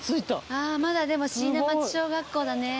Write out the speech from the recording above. ああまだでも椎名町小学校だね。